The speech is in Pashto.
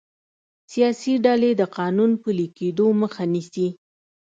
سیاسي ډلې د قانون پلي کیدو مخه نیسي